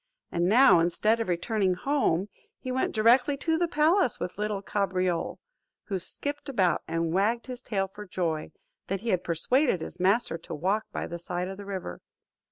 And now, instead of returning home, he went directly to the palace with little Cabriole, who skipped about, and wagged his tail for joy, that he had persuaded his master to walk by the side of the river.